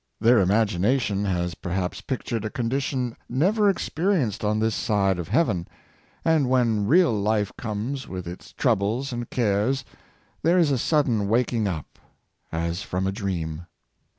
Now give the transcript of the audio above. Their imagination has perhaps pictured a condition never experienced on this side heaven, and when real life comes with its troubles and cares, there is a sudden waking up as from a dream.